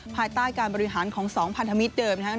ภายใต้การบริหารของ๒พันธมิตรเดิมนะครับ